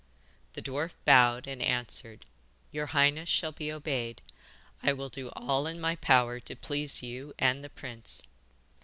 The dwarf bowed and answered: 'Your highness shall be obeyed. I will do all in my power to please you and the prince.